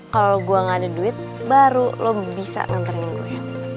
kalau gue gak ada duit baru lo bisa nganterin gue